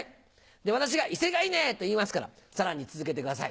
で私が「威勢がいいね！」と言いますからさらに続けてください。